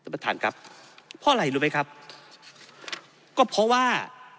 ประธานครับเพราะอะไรรู้ไหมครับก็เพราะว่า